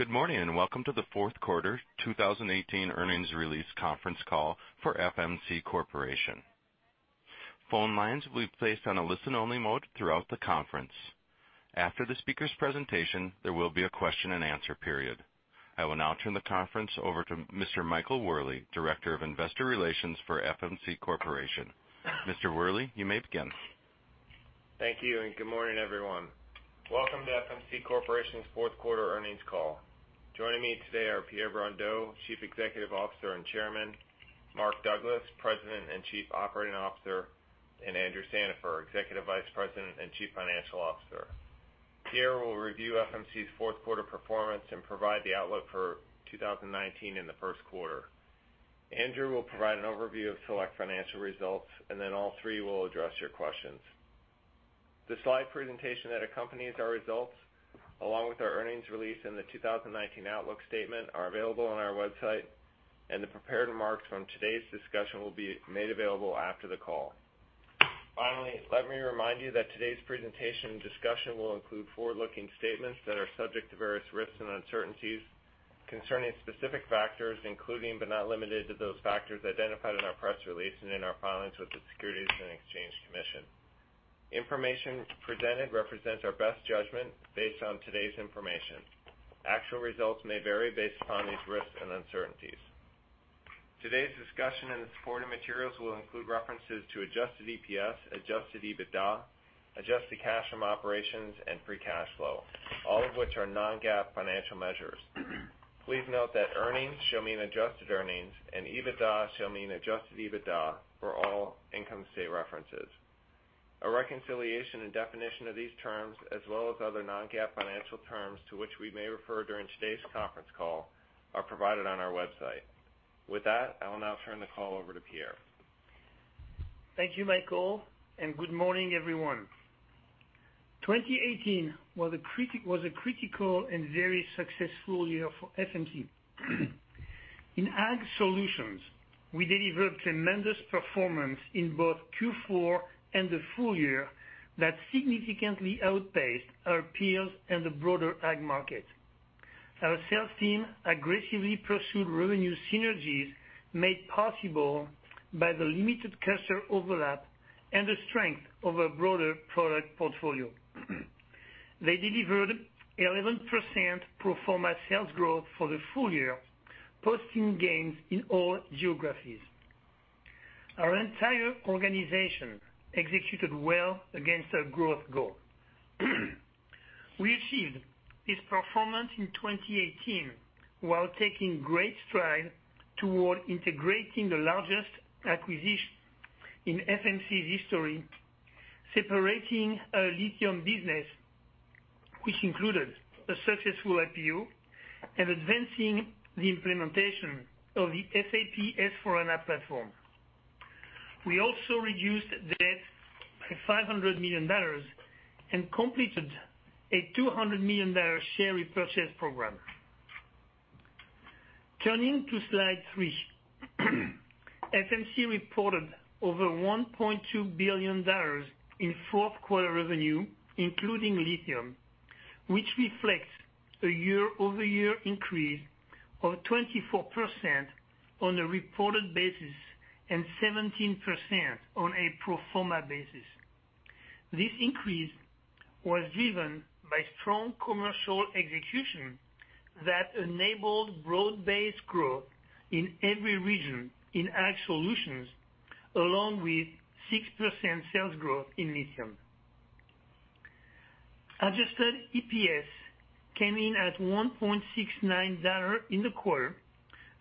Good morning, and welcome to the fourth quarter 2018 earnings release conference call for FMC Corporation. Phone lines will be placed on a listen-only mode throughout the conference. After the speaker's presentation, there will be a question and answer period. I will now turn the conference over to Mr. Michael Wherley, Director of Investor Relations for FMC Corporation. Mr. Wherley, you may begin. Thank you. Good morning, everyone. Welcome to FMC Corporation's fourth quarter earnings call. Joining me today are Pierre Brondeau, Chief Executive Officer and Chairman, Mark Douglas, President and Chief Operating Officer, Andrew Sandifer, Executive Vice President and Chief Financial Officer. Pierre will review FMC's fourth quarter performance and provide the outlook for 2019 in the first quarter. Andrew will provide an overview of select financial results. All three will address your questions. The slide presentation that accompanies our results, along with our earnings release and the 2019 outlook statement, are available on our website. The prepared remarks from today's discussion will be made available after the call. Finally, let me remind you that today's presentation and discussion will include forward-looking statements that are subject to various risks and uncertainties concerning specific factors, including, but not limited to those factors identified in our press release and in our filings with the Securities and Exchange Commission. Information presented represents our best judgment based on today's information. Actual results may vary based upon these risks and uncertainties. Today's discussion and the supporting materials will include references to adjusted EPS, adjusted EBITDA, adjusted cash from operations, and free cash flow, all of which are non-GAAP financial measures. Please note that earnings shall mean adjusted earnings. EBITDA shall mean adjusted EBITDA for all income state references. A reconciliation and definition of these terms, as well as other non-GAAP financial terms to which we may refer during today's conference call, are provided on our website. With that, I will now turn the call over to Pierre. Thank you, Michael, and good morning, everyone. 2018 was a critical and very successful year for FMC. In Ag Solutions, we delivered tremendous performance in both Q4 and the full year that significantly outpaced our peers and the broader ag market. Our sales team aggressively pursued revenue synergies made possible by the limited customer overlap and the strength of a broader product portfolio. They delivered 11% pro forma sales growth for the full year, posting gains in all geographies. Our entire organization executed well against our growth goal. We achieved this performance in 2018 while taking great strides toward integrating the largest acquisition in FMC's history, separating our lithium business, which included a successful IPO, and advancing the implementation of the SAP S/4HANA platform. We also reduced debt by $500 million and completed a $200 million share repurchase program. Turning to slide three. FMC reported over $1.2 billion in fourth quarter revenue, including lithium, which reflects a year-over-year increase of 24% on a reported basis and 17% on a pro forma basis. This increase was driven by strong commercial execution that enabled broad-based growth in every region in Ag Solutions, along with 6% sales growth in lithium. Adjusted EPS came in at $1.69 in the quarter,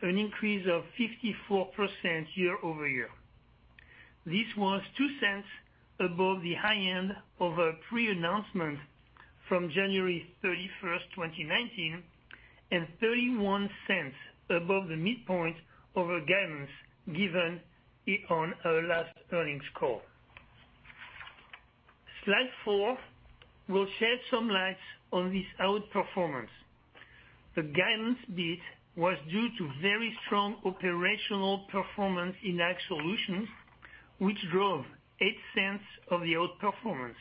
an increase of 54% year-over-year. This was $0.02 above the high end of our pre-announcement from January 31st, 2019, and $0.31 above the midpoint of our guidance given on our last earnings call. Slide four will shed some light on this outperformance. The guidance beat was due to very strong operational performance in Ag Solutions, which drove $0.08 of the outperformance,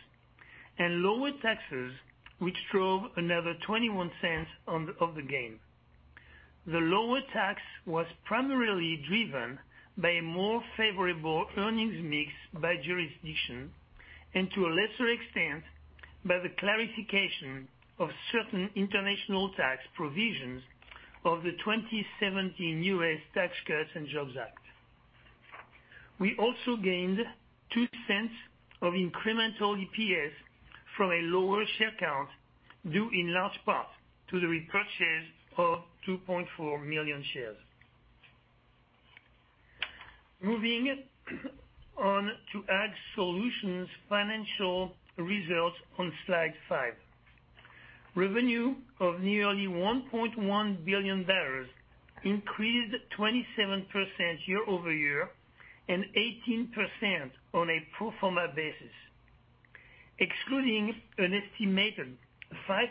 and lower taxes, which drove another $0.21 of the gain. The lower tax was primarily driven by a more favorable earnings mix by jurisdiction and, to a lesser extent, by the clarification of certain international tax provisions of the 2017 U.S. Tax Cuts and Jobs Act. We also gained $0.02 of incremental EPS from a lower share count, due in large part to the repurchase of 2.4 million shares. Moving on to Ag Solutions financial results on slide five. Revenue of nearly $1.1 billion increased 27% year-over-year and 18% on a pro forma basis. Excluding an estimated 5%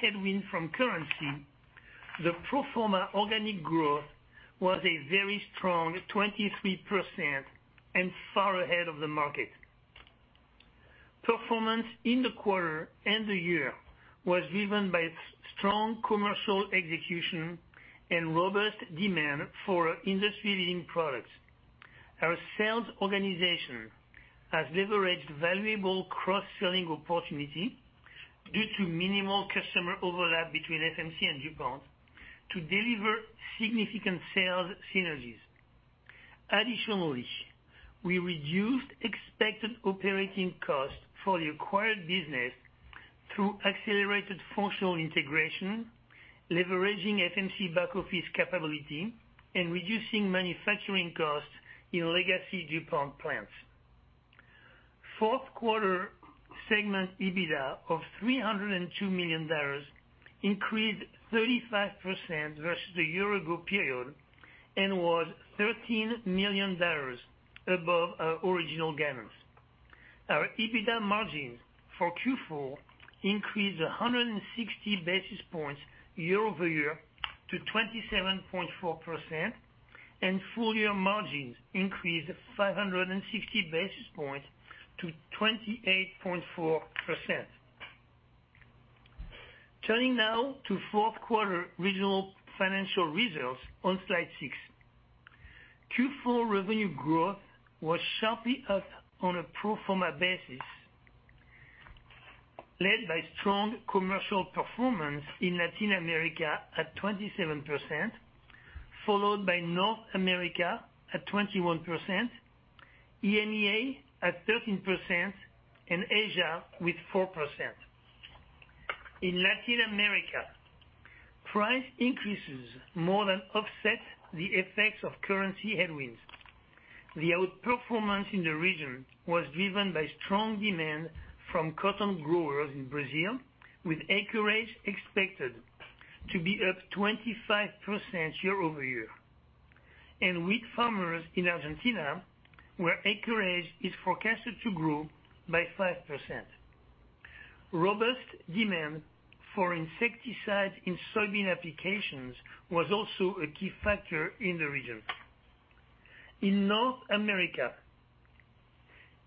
headwind from currency. The pro forma organic growth was a very strong 23% and far ahead of the market. Performance in the quarter and the year was driven by strong commercial execution and robust demand for industry leading products. Our sales organization has leveraged valuable cross-selling opportunity due to minimal customer overlap between FMC and DuPont to deliver significant sales synergies. We reduced expected operating costs for the acquired business through accelerated functional integration, leveraging FMC back-office capability, and reducing manufacturing costs in legacy DuPont plants. Fourth quarter segment EBITDA of $302 million increased 35% versus the year ago period and was $13 million above our original guidance. Our EBITDA margins for Q4 increased 160 basis points year-over-year to 27.4%, and full year margins increased 560 basis points to 28.4%. Turning now to fourth quarter regional financial results on slide six. Q4 revenue growth was sharply up on a pro forma basis, led by strong commercial performance in Latin America at 27%, followed by North America at 21%, EMEA at 13%, and Asia with 4%. In Latin America, price increases more than offset the effects of currency headwinds. The outperformance in the region was driven by strong demand from cotton growers in Brazil, with acreage expected to be up 25% year-over-year. Wheat farmers in Argentina, where acreage is forecasted to grow by 5%. Robust demand for insecticide in soybean applications was also a key factor in the region. In North America,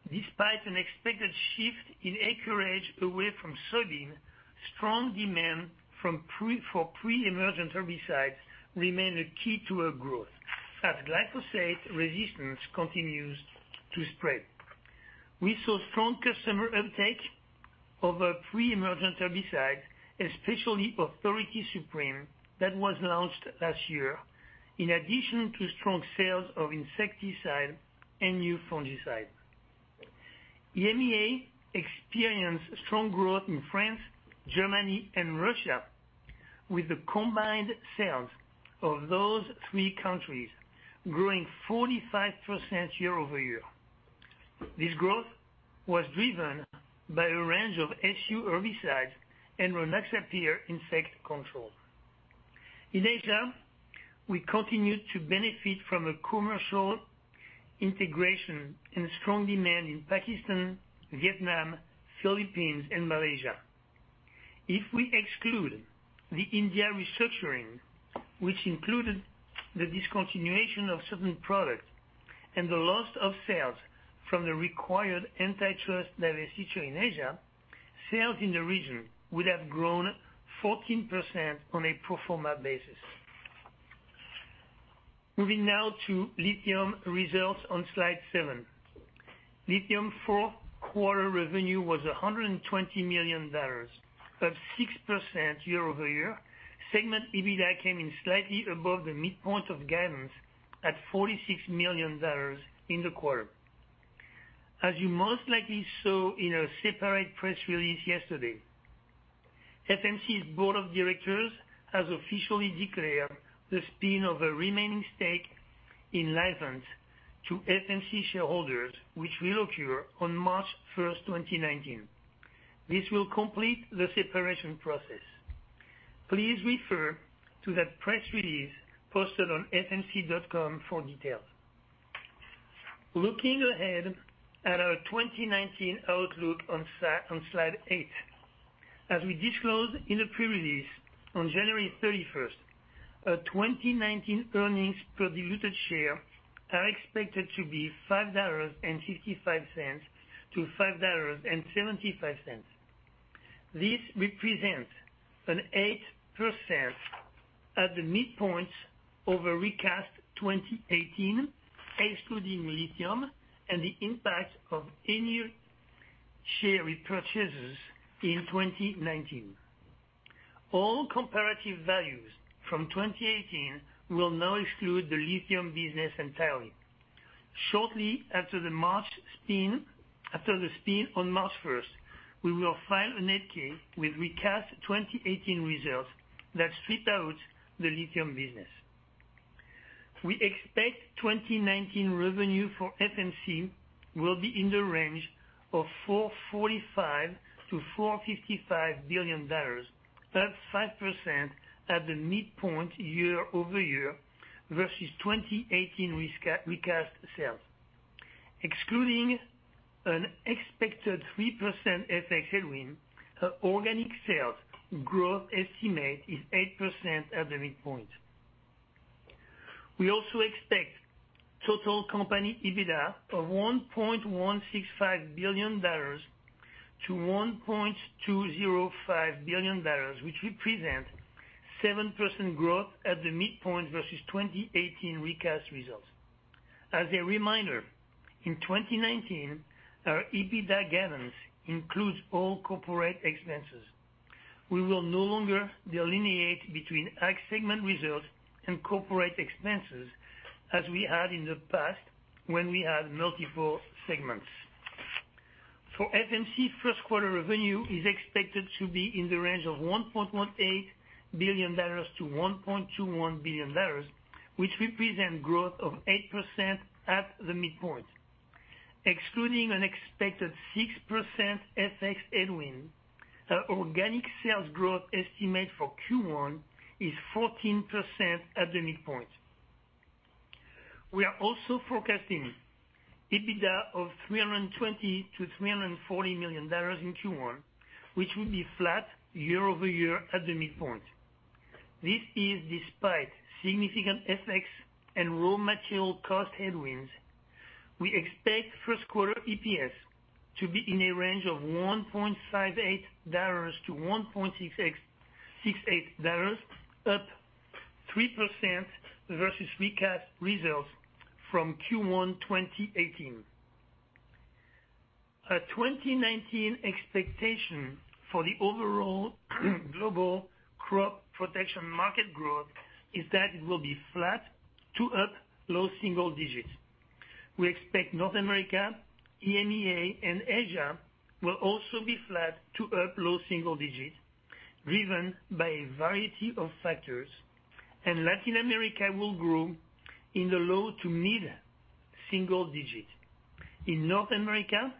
despite an expected shift in acreage away from soybean, strong demand for pre-emergent herbicides remained a key to our growth, as glyphosate resistance continues to spread. We saw strong customer uptake of a pre-emergent herbicide, especially Authority Supreme, that was launched last year, in addition to strong sales of insecticide and new fungicides. EMEA experienced strong growth in France, Germany, and Russia, with the combined sales of those three countries growing 45% year-over-year. This growth was driven by a range of SU herbicides and Rynaxypyr insect control. In Asia, we continued to benefit from a commercial integration and strong demand in Pakistan, Vietnam, Philippines, and Malaysia. If we exclude the India restructuring, which included the discontinuation of certain products and the loss of sales from the required antitrust divestiture in Asia, sales in the region would have grown 14% on a pro forma basis. Moving now to lithium results on slide seven. Lithium fourth quarter revenue was $120 million, up 6% year-over-year. Segment EBITDA came in slightly above the midpoint of guidance at $46 million in the quarter. As you most likely saw in our separate press release yesterday, FMC's board of directors has officially declared the spin of a remaining stake in Livent to FMC shareholders, which will occur on March 1st, 2019. This will complete the separation process. Please refer to that press release posted on fmc.com for details. Looking ahead at our 2019 outlook on slide eight. As we disclosed in the pre-release on January 31st, our 2019 earnings per diluted share are expected to be $5.55 to $5.75. This represents an 8% at the midpoints over recast 2018, excluding lithium and the impact of any share repurchases in 2019. All comparative values from 2018 will now exclude the lithium business entirely. Shortly after the spin on March 1st, we will file an 8-K with recast 2018 results that strip out the lithium business. We expect 2019 revenue for FMC will be in the range of $4.5 billion to $4.55 billion. That's 5% at the midpoint year-over-year versus 2018 recast sales. Excluding an expected 3% FX headwind, our organic sales growth estimate is 8% at the midpoint. We also expect total company EBITDA of $1.165 billion to $1.205 billion, which represents 7% growth at the midpoint versus 2018 recast results. As a reminder, in 2019, our EBITDA guidance includes all corporate expenses. We will no longer delineate between ag segment results and corporate expenses as we had in the past, when we had multiple segments. For FMC, first-quarter revenue is expected to be in the range of $1.18 billion to $1.21 billion, which represents growth of 8% at the midpoint. Excluding an expected 6% FX headwind, our organic sales growth estimate for Q1 is 14% at the midpoint. We are also forecasting EBITDA of $320 million to $340 million in Q1, which will be flat year-over-year at the midpoint. This is despite significant FX and raw material cost headwinds. We expect first quarter EPS to be in a range of $1.58-$1.68, up 3% versus recast results from Q1 2018. Our 2019 expectation for the overall global crop protection market growth is that it will be flat to up low single digits. We expect North America, EMEA, and Asia will also be flat to up low single digits, driven by a variety of factors. Latin America will grow in the low to mid-single digit. In North America,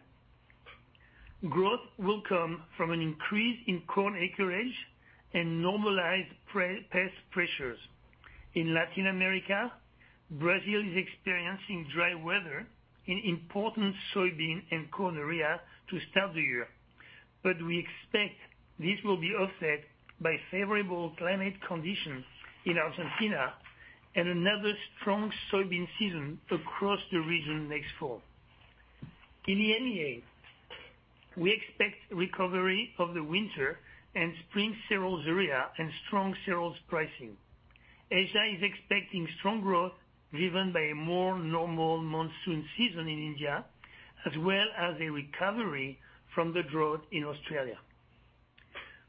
growth will come from an increase in corn acreage and normalized pest pressures. In Latin America, Brazil is experiencing dry weather in important soybean and corn areas to start the year. We expect this will be offset by favorable climate conditions in Argentina and another strong soybean season across the region next fall. In the EMEA, we expect recovery of the winter and spring cereals area and strong cereals pricing. Asia is expecting strong growth driven by a more normal monsoon season in India, as well as a recovery from the drought in Australia.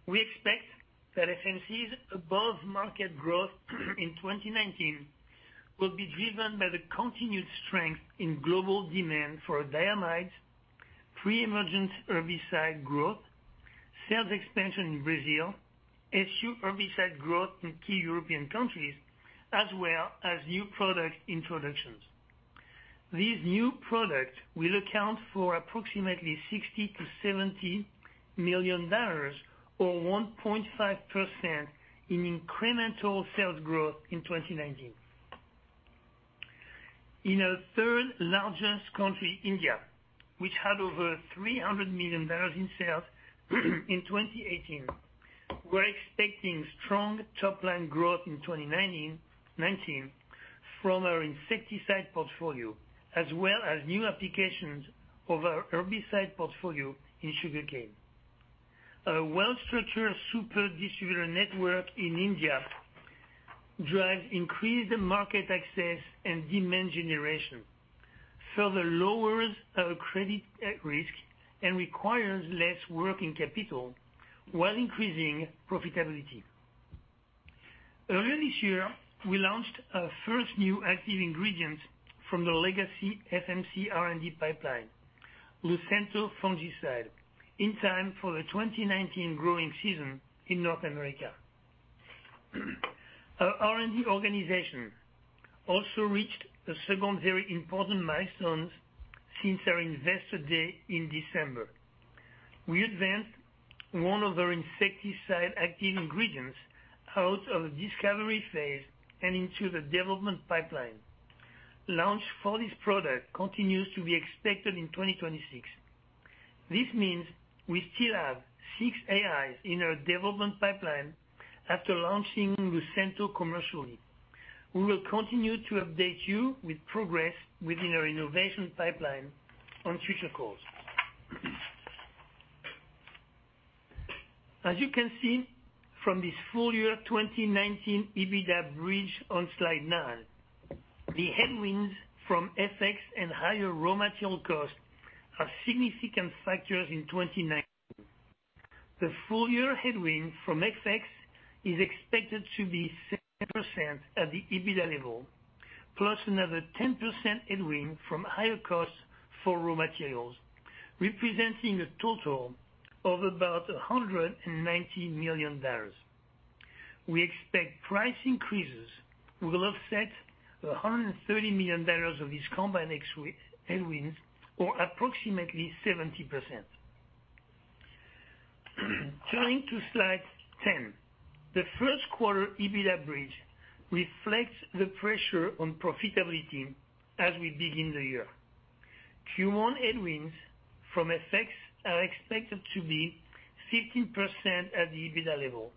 We expect that FMC's above-market growth in 2019 will be driven by the continued strength in global demand for diamide, pre-emergence herbicide growth, sales expansion in Brazil, SU herbicide growth in key European countries, as well as new product introductions. These new products will account for approximately $60 million-$70 million or 1.5% in incremental sales growth in 2019. In our third-largest country, India, which had over $300 million in sales in 2018, we are expecting strong top-line growth in 2019 from our insecticide portfolio as well as new applications of our herbicide portfolio in sugarcane. Our well-structured super distributor network in India drives increased market access and demand generation, further lowers our credit risk, and requires less working capital while increasing profitability. Earlier this year, we launched our first new active ingredient from the legacy FMC R&D pipeline, Lucento Fungicide, in time for the 2019 growing season in North America. Our R&D organization also reached a second very important milestone since our Investor Day in December. We advanced one of our insecticide active ingredients out of the discovery phase and into the development pipeline. Launch for this product continues to be expected in 2026. This means we still have six AIs in our development pipeline after launching Lucento commercially. We will continue to update you with progress within our innovation pipeline on future calls. As you can see from this full-year 2019 EBITDA bridge on slide nine, the headwinds from FX and higher raw material costs are significant factors in 2019. The full-year headwind from FX is expected to be 6% at the EBITDA level, plus another 10% headwind from higher costs for raw materials, representing a total of about $190 million. We expect price increases will offset $130 million of these combined headwinds or approximately 70%. Turning to slide 10. The first quarter EBITDA bridge reflects the pressure on profitability as we begin the year. Q1 headwinds from FX are expected to be 15% at the EBITDA level,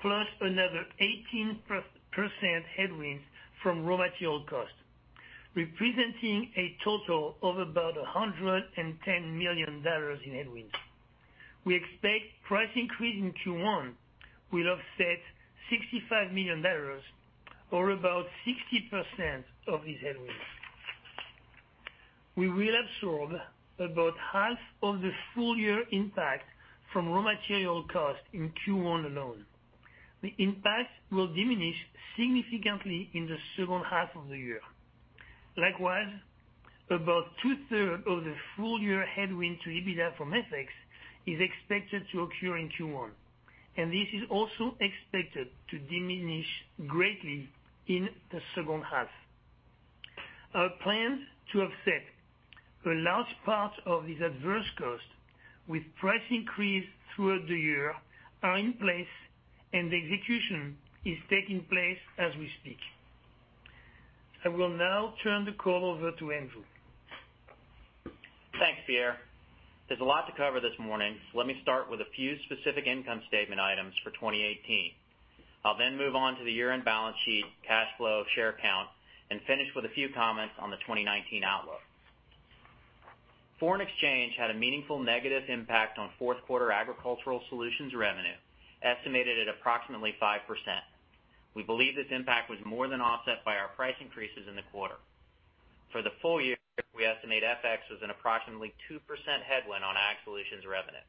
plus another 18% headwinds from raw material cost, representing a total of about $110 million in headwinds. We expect price increase in Q1 will offset $65 million or about 60% of these headwinds. We will absorb about half of the full year impact from raw material cost in Q1 alone. The impact will diminish significantly in the second half of the year. Likewise, about two-thirds of the full year headwind to EBITDA from FX is expected to occur in Q1, and this is also expected to diminish greatly in the second half. Our plans to offset a large part of these adverse costs with price increase throughout the year are in place, and the execution is taking place as we speak. I will now turn the call over to Andrew. Thanks, Pierre. There's a lot to cover this morning. Let me start with a few specific income statement items for 2018. I will then move on to the year-end balance sheet, cash flow, share count, and finish with a few comments on the 2019 outlook. Foreign exchange had a meaningful negative impact on fourth quarter Agricultural Solutions revenue, estimated at approximately 5%. We believe this impact was more than offset by our price increases in the quarter. For the full year, we estimate FX was an approximately 2% headwind on Agricultural Solutions revenue.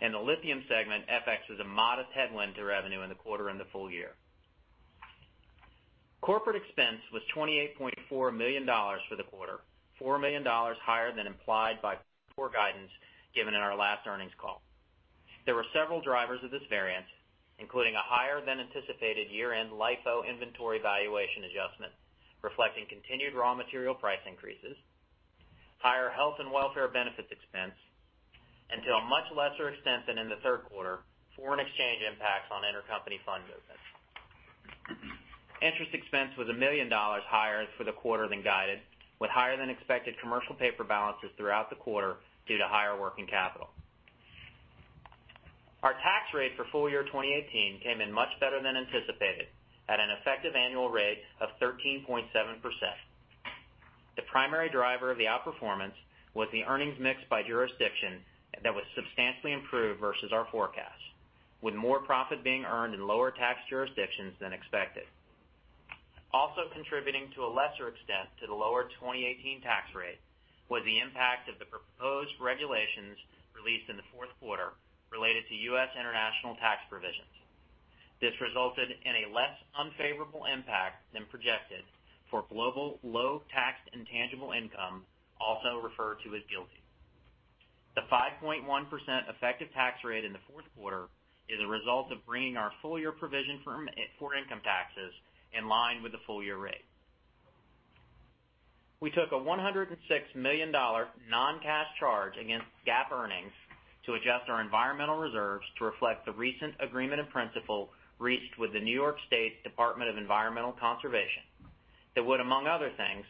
In the lithium segment, FX was a modest headwind to revenue in the quarter and the full year. Corporate expense was $28.4 million for the quarter, $4 million higher than implied by poor guidance given in our last earnings call. There were several drivers of this variance, including a higher than anticipated year-end LIFO inventory valuation adjustment reflecting continued raw material price increases, higher health and welfare benefits expense, and to a much lesser extent than in the third quarter, foreign exchange impacts on intercompany fund movements. Interest expense was $1 million higher for the quarter than guided, with higher than expected commercial paper balances throughout the quarter due to higher working capital. Our tax rate for full year 2018 came in much better than anticipated, at an effective annual rate of 13.7%. The primary driver of the outperformance was the earnings mix by jurisdiction that was substantially improved versus our forecast, with more profit being earned in lower tax jurisdictions than expected. Also contributing to a lesser extent to the lower 2018 tax rate was the impact of the proposed regulations released in the fourth quarter related to U.S. international tax provisions. This resulted in a less unfavorable impact than projected for global low-taxed intangible income, also referred to as GILTI. The 5.1% effective tax rate in the fourth quarter is a result of bringing our full-year provision for income taxes in line with the full-year rate. We took a $106 million non-cash charge against GAAP earnings to adjust our environmental reserves to reflect the recent agreement in principle reached with the New York State Department of Environmental Conservation that would, among other things,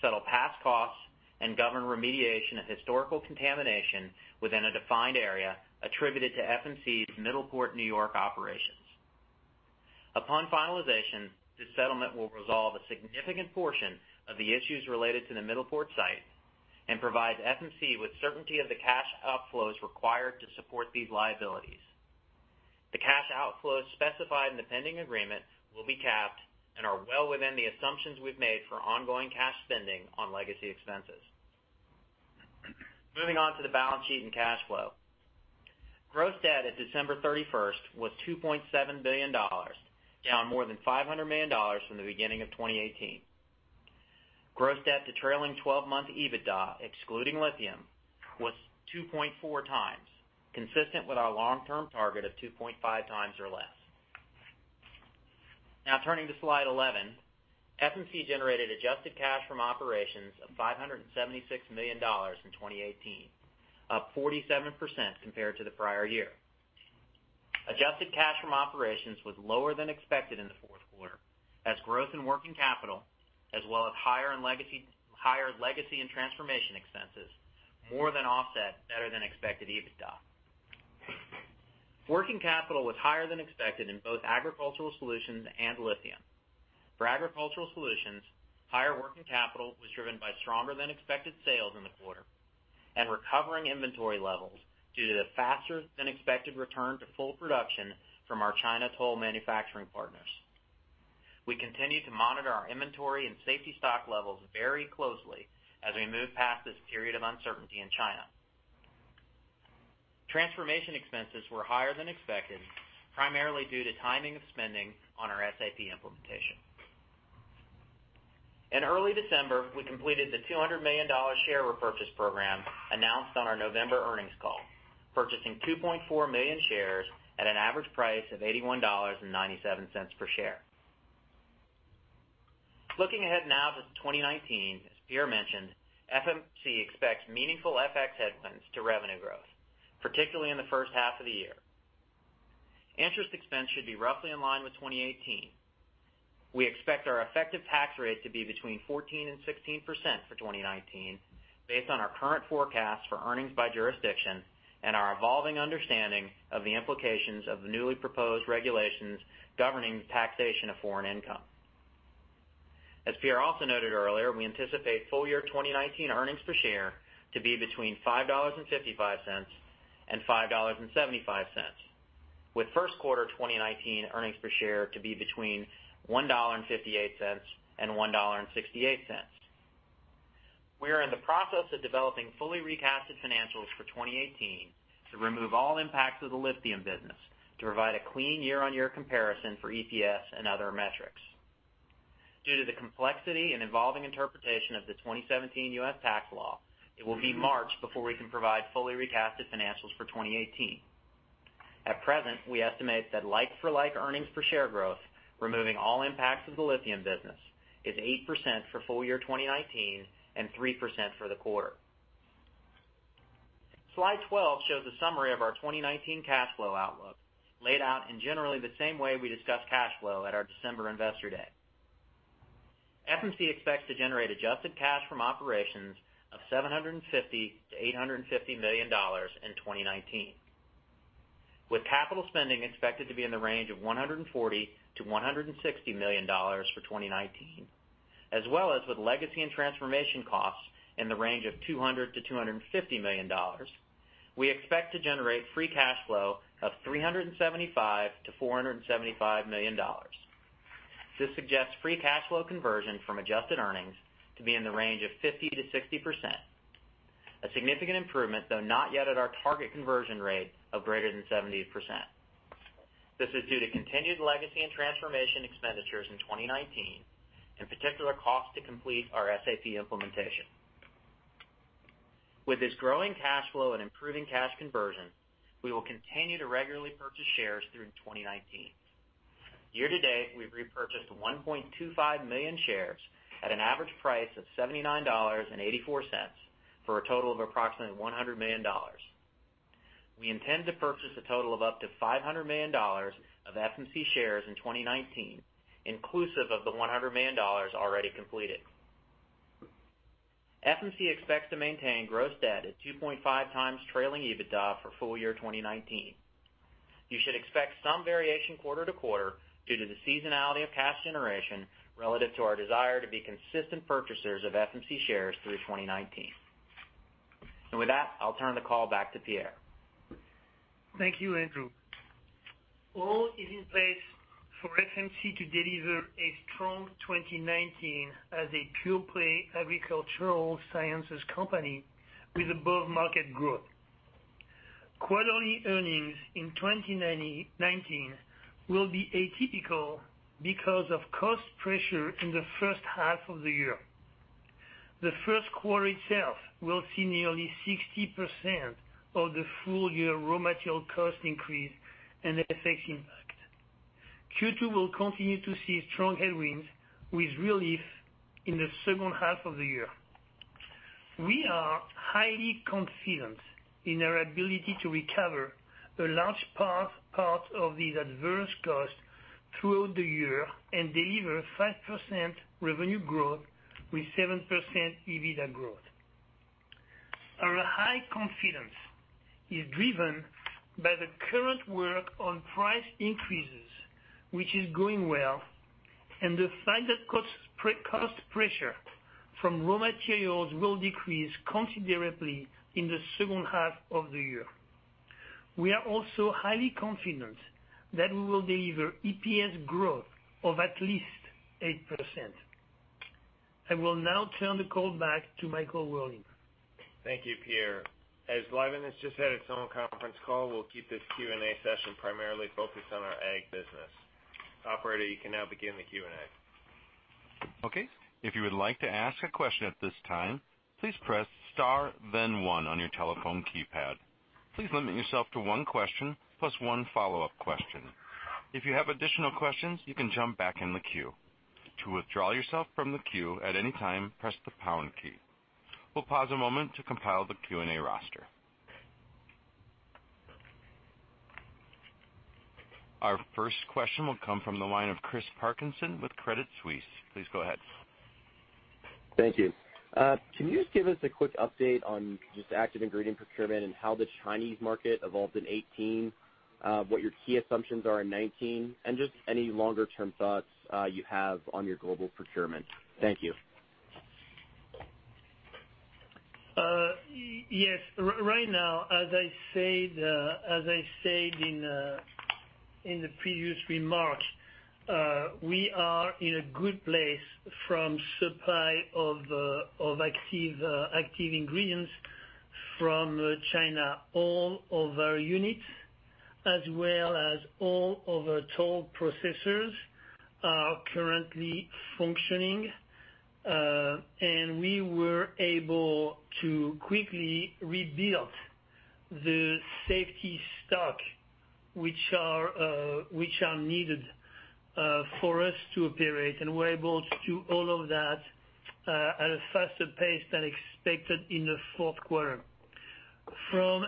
settle past costs and govern remediation of historical contamination within a defined area attributed to FMC's Middleport, New York operations. Upon finalization, this settlement will resolve a significant portion of the issues related to the Middleport site and provide FMC with certainty of the cash outflows required to support these liabilities. The cash outflows specified in the pending agreement will be capped and are well within the assumptions we've made for ongoing cash spending on legacy expenses. Moving on to the balance sheet and cash flow. Gross debt at December 31st was $2.7 billion, down more than $500 million from the beginning of 2018. Gross debt to trailing 12-month EBITDA, excluding lithium, was 2.4x, consistent with our long-term target of 2.5x or less. Now turning to slide 11. FMC generated adjusted cash from operations of $576 million in 2018, up 47% compared to the prior year. Adjusted cash from operations was lower than expected in the fourth quarter as growth in working capital, as well as higher legacy and transformation expenses, more than offset better than expected EBITDA. Working capital was higher than expected in both Agricultural Solutions and Lithium. For Agricultural Solutions, higher working capital was driven by stronger than expected sales in the quarter and recovering inventory levels due to the faster than expected return to full production from our China toll manufacturing partners. We continue to monitor our inventory and safety stock levels very closely as we move past this period of uncertainty in China. Transformation expenses were higher than expected, primarily due to timing of spending on our SAP implementation. In early December, we completed the $200 million share repurchase program announced on our November earnings call, purchasing 2.4 million shares at an average price of $81.97 per share. Looking ahead now to 2019, as Pierre mentioned, FMC expects meaningful FX headwinds to revenue growth, particularly in the first half of the year. Interest expense should be roughly in line with 2018. We expect our effective tax rate to be between 14% and 16% for 2019, based on our current forecast for earnings by jurisdiction and our evolving understanding of the implications of the newly proposed regulations governing the taxation of foreign income. As Pierre also noted earlier, we anticipate full-year 2019 earnings per share to be between $5.55 and $5.75, with first quarter 2019 earnings per share to be between $1.58 and $1.68. We are in the process of developing fully recasted financials for 2018 to remove all impacts of the lithium business to provide a clean year-on-year comparison for EPS and other metrics. Due to the complexity and evolving interpretation of the 2017 U.S. tax law, it will be March before we can provide fully recasted financials for 2018. At present, we estimate that like-for-like earnings per share growth, removing all impacts of the lithium business, is 8% for full year 2019 and 3% for the quarter. Slide 12 shows a summary of our 2019 cash flow outlook, laid out in generally the same way we discussed cash flow at our December investor day. FMC expects to generate adjusted cash from operations of $750 million to $850 million in 2019. With capital spending expected to be in the range of $140 million-$160 million for 2019, as well as with legacy and transformation costs in the range of $200 million-$250 million, we expect to generate free cash flow of $375 million-$475 million. This suggests free cash flow conversion from adjusted earnings to be in the range of 50%-60%. A significant improvement, though not yet at our target conversion rate of greater than 70%. This is due to continued legacy and transformation expenditures in 2019, in particular, costs to complete our SAP implementation. With this growing cash flow and improving cash conversion, we will continue to regularly purchase shares through 2019. Year to date, we've repurchased 1.25 million shares at an average price of $79.84, for a total of approximately $100 million. We intend to purchase a total of up to $500 million of FMC shares in 2019, inclusive of the $100 million already completed. FMC expects to maintain gross debt at 2.5x trailing EBITDA for full year 2019. You should expect some variation quarter-to-quarter due to the seasonality of cash generation relative to our desire to be consistent purchasers of FMC shares through 2019. With that, I'll turn the call back to Pierre. Thank you, Andrew. All is in place for FMC to deliver a strong 2019 as a pure-play agricultural sciences company with above-market growth. Quarterly earnings in 2019 will be atypical because of cost pressure in the first half of the year. The first quarter itself will see nearly 60% of the full-year raw material cost increase and FX impact. Q2 will continue to see strong headwinds, with relief in the second half of the year. We are highly confident in our ability to recover a large part of these adverse costs throughout the year and deliver 5% revenue growth with 7% EBITDA growth. Our high confidence is driven by the current work on price increases, which is going well, and the fact that cost pressure from raw materials will decrease considerably in the second half of the year. We are also highly confident that we will deliver EPS growth of at least 8%. I will now turn the call back to Michael Wherley. Thank you, Pierre. As Livent has just had its own conference call, we'll keep this Q&A session primarily focused on our ag business. Operator, you can now begin the Q&A. Okay. If you would like to ask a question at this time, please press star then one on your telephone keypad. Please limit yourself to one question plus one follow-up question. If you have additional questions, you can jump back in the queue. To withdraw yourself from the queue at any time, press the pound key. We'll pause a moment to compile the Q&A roster. Our first question will come from the line of Christopher Parkinson with Credit Suisse. Please go ahead. Thank you. Can you just give us a quick update on just active ingredient procurement and how the Chinese market evolved in 2018, what your key assumptions are in 2019, and just any longer-term thoughts you have on your global procurement? Thank you. Yes. Right now, as I said in the previous remarks, we are in a good place from supply of active ingredients from China. All of our units, as well as all of our toll processors, are currently functioning. We were able to quickly rebuild the safety stock, which are needed for us to operate. We're able to do all of that at a faster pace than expected in the fourth quarter. From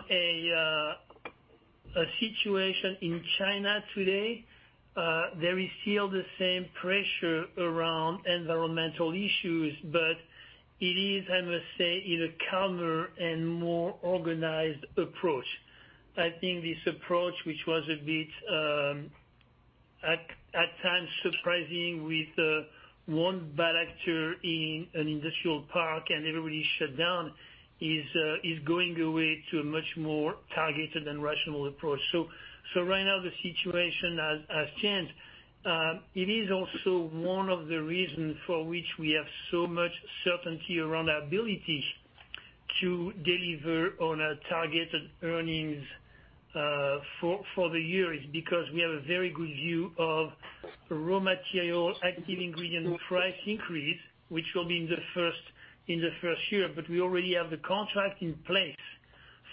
a situation in China today, there is still the same pressure around environmental issues, but it is, I must say, in a calmer and more organized approach. I think this approach, which was a bit, at times surprising with one bad actor in an industrial park and everybody shut down, is going away to a much more targeted and rational approach. Right now, the situation has changed. It is also one of the reasons for which we have so much certainty around our ability to deliver on our targeted earnings for the year is because we have a very good view of raw material, active ingredient price increase, which will be in the first year. We already have the contract in place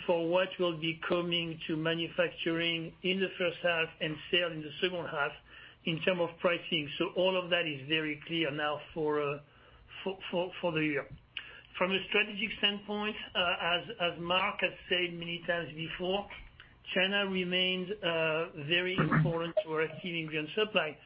for what will be coming to manufacturing in the first half and sale in the second half in term of pricing. All of that is very clear now for the year. From a strategic standpoint, as Mark has said many times before, China remains very important to our active ingredient supply.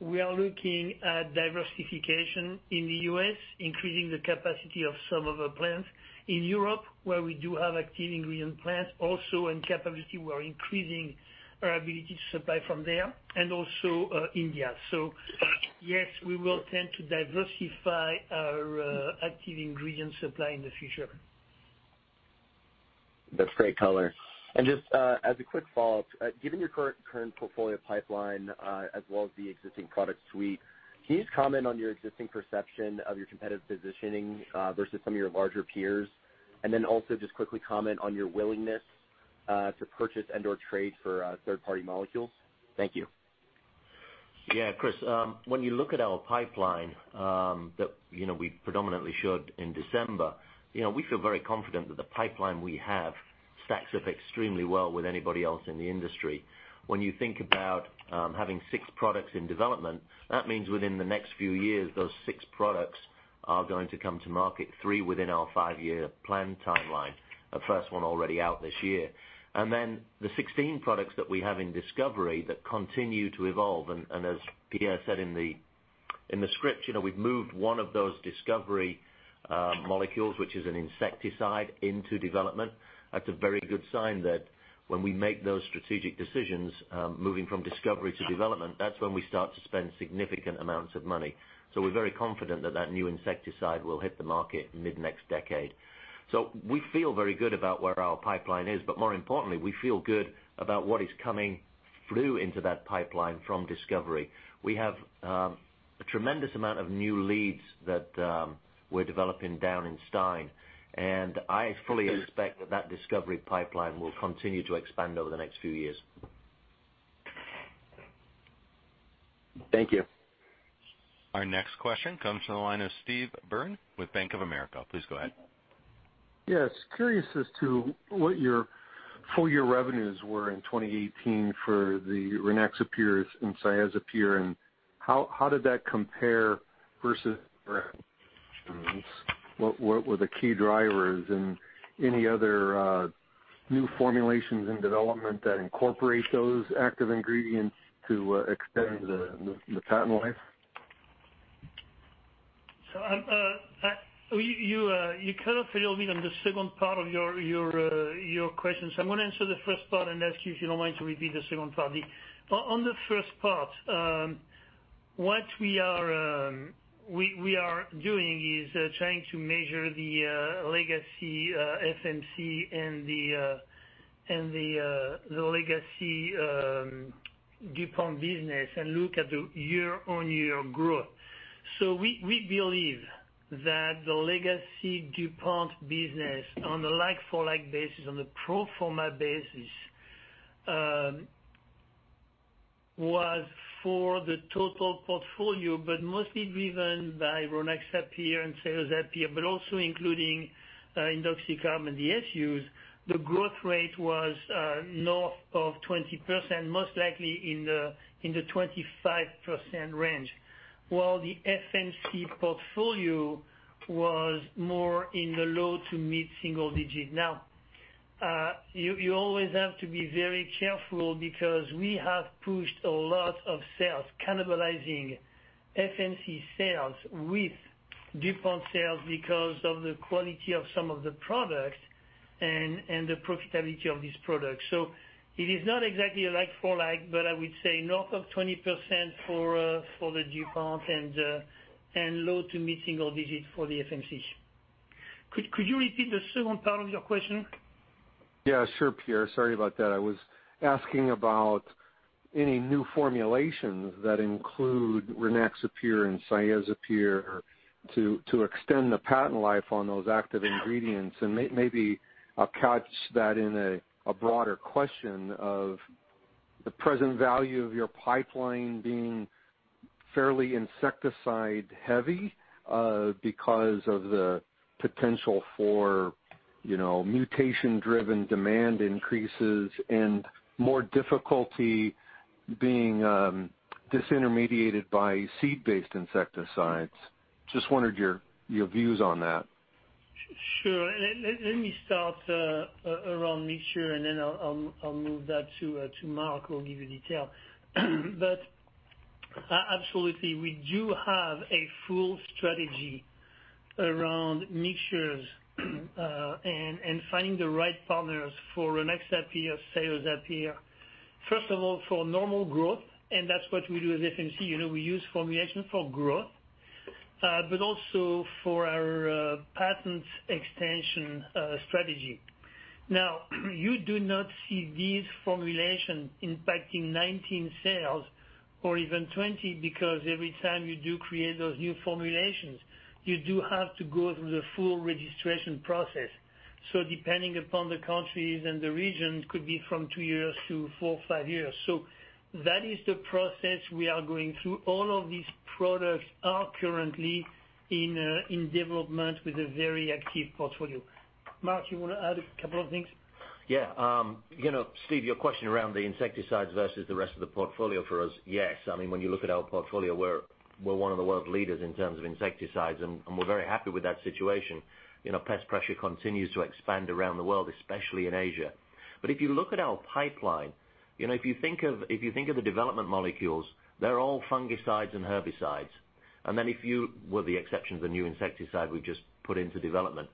We are looking at diversification in the U.S., increasing the capacity of some of our plants. In Europe, where we do have active ingredient plants also, and capacity, we're increasing our ability to supply from there, and also India. Yes, we will tend to diversify our active ingredient supply in the future. That's great color. Just as a quick follow-up, given your current portfolio pipeline as well as the existing product suite, can you just comment on your existing perception of your competitive positioning versus some of your larger peers? Then also just quickly comment on your willingness to purchase and/or trade for third-party molecules. Thank you. Chris, when you look at our pipeline that we predominantly showed in December, we feel very confident that the pipeline we have stacks up extremely well with anybody else in the industry. When you think about having six products in development, that means within the next few years, those six products are going to come to market, three within our five-year plan timeline, our first one already out this year. The 16 products that we have in discovery that continue to evolve, and as Pierre said in the script, we've moved one of those discovery molecules, which is an insecticide, into development. That's a very good sign that when we make those strategic decisions, moving from discovery to development, that's when we start to spend significant amounts of money. We're very confident that new insecticide will hit the market mid-next decade. We feel very good about where our pipeline is, but more importantly, we feel good about what is coming through into that pipeline from discovery. We have a tremendous amount of new leads that we're developing down in Stine, and I fully expect that discovery pipeline will continue to expand over the next few years. Thank you. Our next question comes from the line of Steve Byrne with Bank of America. Please go ahead. Yes. Curious as to what your full-year revenues were in 2018 for the Rynaxypyr and Cyazypyr, and how did that compare versus? What were the key drivers and any other new formulations in development that incorporate those active ingredients to extend the patent life? You kind of failed me on the second part of your question. I'm going to answer the first part and ask you, if you don't mind, to repeat the second part. On the first part, what we are doing is trying to measure the legacy FMC and the legacy DuPont business and look at the year-on-year growth. We believe that the legacy DuPont business on a like-for-like basis, on a pro forma basis, was for the total portfolio, but mostly driven by Rynaxypyr and Cyazypyr, but also including Indoxacarb and SUs. The growth rate was north of 20%, most likely in the 25% range, while the FMC portfolio was more in the low to mid single digit. You always have to be very careful because we have pushed a lot of sales, cannibalizing FMC sales with DuPont sales because of the quality of some of the products and the profitability of these products. It is not exactly a like for like, but I would say north of 20% for the DuPont and low to mid single digits for the FMC. Could you repeat the second part of your question? Yeah, sure, Pierre. Sorry about that. I was asking about any new formulations that include Rynaxypyr and Cyazypyr to extend the patent life on those active ingredients, and maybe I'll catch that in a broader question of the present value of your pipeline being fairly insecticide-heavy because of the potential for mutation-driven demand increases and more difficulty being disintermediated by seed-based insecticides. Just wondered your views on that. Sure. Let me start around mixture, and then I'll move that to Mark, who will give you detail. Absolutely, we do have a full strategy around mixtures and finding the right partners for Rynaxypyr, Cyazypyr. First of all, for normal growth, and that's what we do as FMC. We use formulation for growth, but also for our patent extension strategy. You do not see these formulations impacting 2019 sales or even 2020, because every time you do create those new formulations, you do have to go through the full registration process. Depending upon the countries and the regions, it could be from two years to four or five years. That is the process we are going through. All of these products are currently in development with a very active portfolio. Mark, you want to add a couple of things? Yeah. Steve, your question around the insecticides versus the rest of the portfolio for us, yes. When you look at our portfolio, we are one of the world leaders in terms of insecticides, and we are very happy with that situation. Pest pressure continues to expand around the world, especially in Asia. If you look at our pipeline, if you think of the development molecules, they are all fungicides and herbicides. With the exception of the new insecticide we just put into development.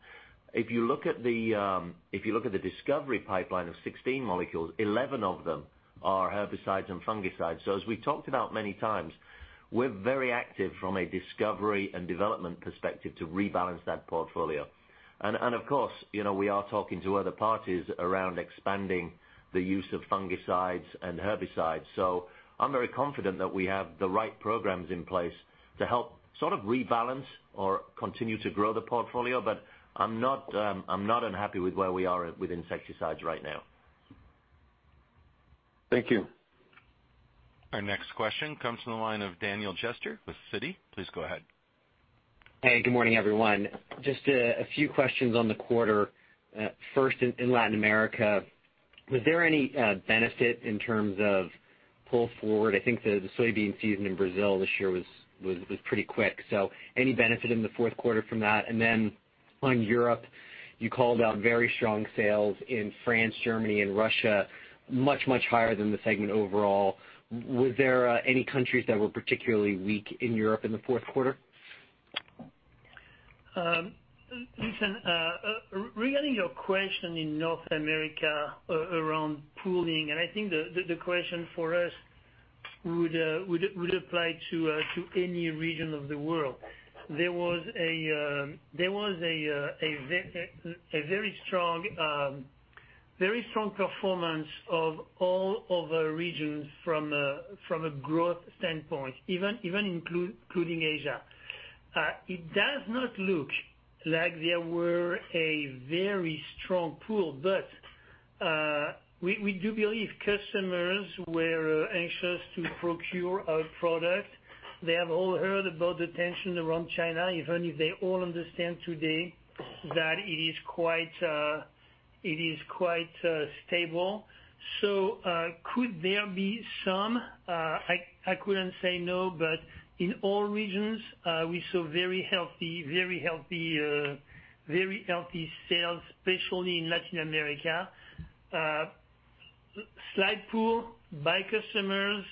If you look at the discovery pipeline of 16 molecules, 11 of them are herbicides and fungicides. As we talked about many times, we are very active from a discovery and development perspective to rebalance that portfolio. Of course, we are talking to other parties around expanding the use of fungicides and herbicides. I am very confident that we have the right programs in place to help sort of rebalance or continue to grow the portfolio. I am not unhappy with where we are with insecticides right now. Thank you. Our next question comes from the line of Daniel Jester with Citi. Please go ahead. Hey, good morning, everyone. Just a few questions on the quarter. First, in Latin America, was there any benefit in terms of pull forward? I think the soybean season in Brazil this year was pretty quick. Any benefit in the fourth quarter from that? On Europe, you called out very strong sales in France, Germany and Russia, much, much higher than the segment overall. Was there any countries that were particularly weak in Europe in the fourth quarter? Listen, regarding your question in North America around pooling, I think the question for us would apply to any region of the world. There was a very strong performance of all of the regions from a growth standpoint, even including Asia. It does not look like there were a very strong pool, we do believe customers were anxious to procure our product. They have all heard about the tension around China, even if they all understand today that it is quite stable. Could there be some? I couldn't say no, in all regions, we saw very healthy sales, especially in Latin America. Slight pool by customers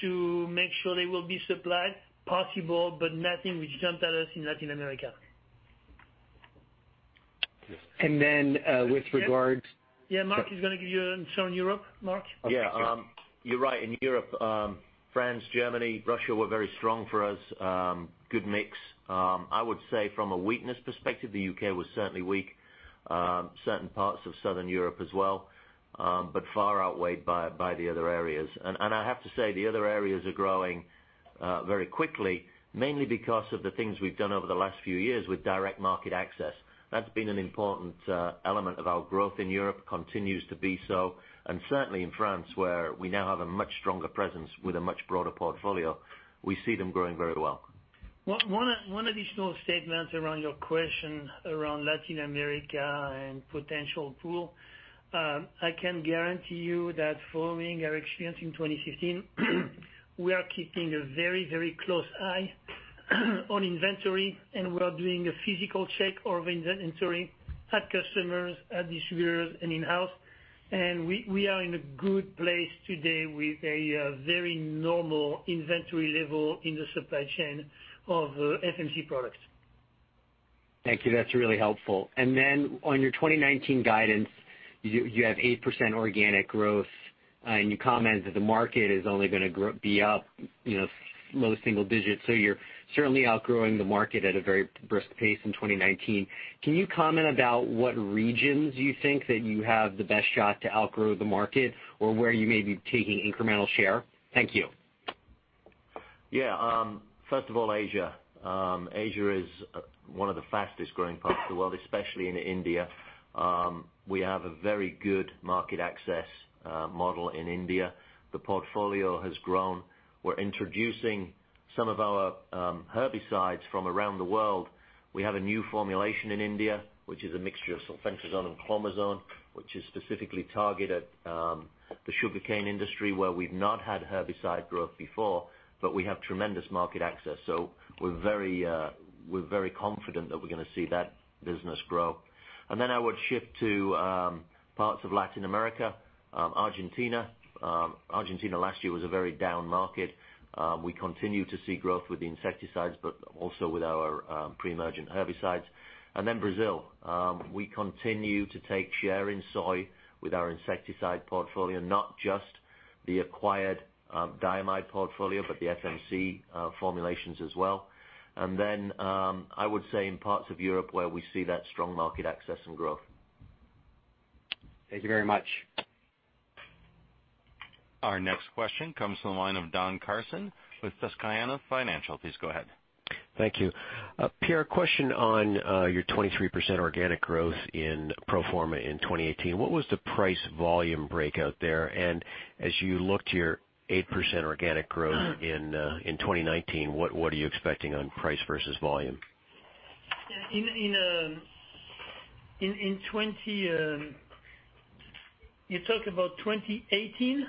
to make sure they will be supplied? Possible, nothing which jumped at us in Latin America. Then with regard- Yeah. Mark is going to give you an answer on Europe. Mark? Yeah. You're right. In Europe, France, Germany, Russia were very strong for us. Good mix. I would say from a weakness perspective, the U.K. was certainly weak. Certain parts of Southern Europe as well, but far outweighed by the other areas. I have to say, the other areas are growing very quickly, mainly because of the things we've done over the last few years with direct market access. That's been an important element of our growth in Europe, continues to be so, and certainly in France, where we now have a much stronger presence with a much broader portfolio. We see them growing very well. One additional statement around your question around Latin America and potential pool. I can guarantee you that following our experience in 2015, we are keeping a very, very close eye on inventory. We are doing a physical check of inventory at customers, at distributors, and in-house. We are in a good place today with a very normal inventory level in the supply chain of FMC products. Thank you. That's really helpful. On your 2019 guidance, you have 8% organic growth, and you commented that the market is only going to be up low single digits. You're certainly outgrowing the market at a very brisk pace in 2019. Can you comment about what regions you think that you have the best shot to outgrow the market or where you may be taking incremental share? Thank you. Yeah. First of all, Asia. Asia is one of the fastest-growing parts of the world, especially in India. We have a very good market access model in India. The portfolio has grown. We're introducing some of our herbicides from around the world. We have a new formulation in India, which is a mixture of sulfentrazone and clomazone, which is specifically targeted at the sugarcane industry where we've not had herbicide growth before, but we have tremendous market access. We're very confident that we're going to see that business grow. I would shift to parts of Latin America, Argentina. Argentina last year was a very down market. We continue to see growth with the insecticides, but also with our pre-emergent herbicides. Brazil. We continue to take share in soy with our insecticide portfolio, not just the acquired diamide portfolio, but the FMC formulations as well. I would say in parts of Europe where we see that strong market access and growth. Thank you very much. Our next question comes from the line of Don Carson with Susquehanna Financial. Please go ahead. Thank you. Pierre, question on your 23% organic growth in pro forma in 2018. What was the price volume breakout there? As you look to your 8% organic growth in 2019, what are you expecting on price versus volume? You talk about 2018